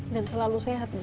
dan selalu sehat bu